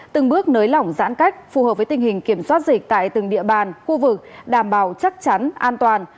từng bước nới lỏng giãn cách phù hợp với tình hình kiểm soát dịch tại từng địa bàn khu vực đảm bảo chắc chắn an toàn